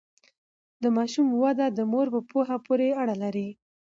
د ماشوم وده د مور په پوهه پورې اړه لري۔